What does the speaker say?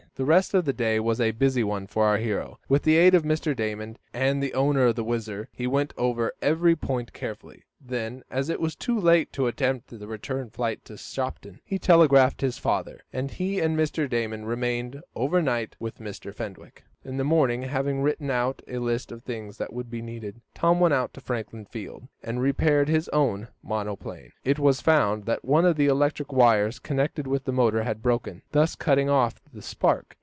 The rest of the day was a busy one for our hero. With the aid of Mr. Damon and the owner of the WHIZZER, he went over every point carefully. Then, as it was too late to attempt the return flight to Shopton, he telegraphed his father, and he and Mr. Damon remained over night with Mr. Fenwick. In the morning, having written out a list of the things that would be needed, Tom went out to Franklin Field, and repaired his own monoplane. It was found that one of the electric wires connected with the motor had broken, thus cutting off the spark.